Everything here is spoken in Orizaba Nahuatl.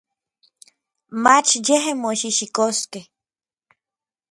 Mach yej moxijxikoskej.